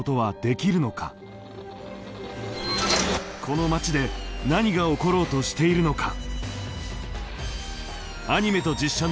この町で何が起ころうとしているのか。